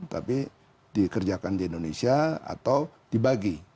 tapi dikerjakan di indonesia atau dibagi